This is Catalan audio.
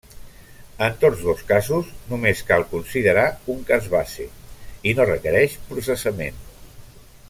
En tots dos casos, només cal considerar un cas base, i no requereix processament.